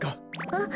あっ。